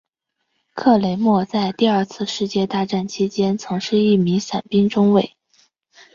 克雷默在第二次世界大战期间曾是一名伞兵中尉。